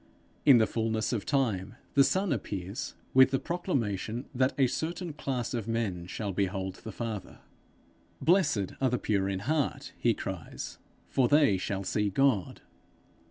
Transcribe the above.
In the fullness of time the Son appears with the proclamation that a certain class of men shall behold the Father: 'Blessed are the pure in heart,' he cries, 'for they shall see God.'